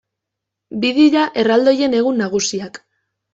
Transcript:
Bi dira erraldoien egun nagusiak.